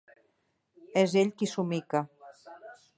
És ell qui somica.